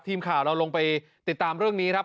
ทีมข่าวเราลงไปติดตามเรื่องนี้ครับ